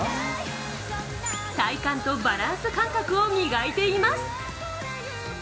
体幹とバランス感覚を磨いています。